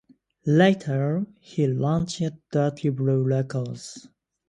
Later he launched Dirty Blue Records.